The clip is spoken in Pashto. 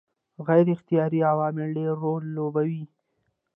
غیر اختیاري عوامل ډېر رول لوبوي.